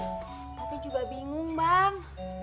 tapi juga bingung bang